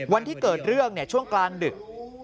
วันที่เกิดเรื่องช่วงกลางดึก